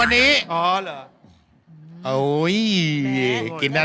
เวลาดีเล่นหน่อยเล่นหน่อย